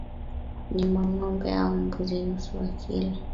Nyama ngombe au mbuzi nusu ya kilo